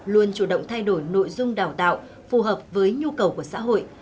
luôn chủ động thay đổi nội dung đào tạo phù hợp với nhu cầu của xã hội